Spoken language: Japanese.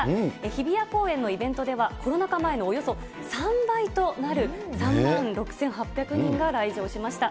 日比谷公園のイベントでは、コロナ禍前のおよそ３倍となる、３万６８００人が来場しました。